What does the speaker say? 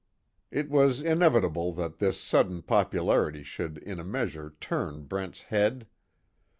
It was inevitable that this sudden popularity should in a measure turn Brent's head.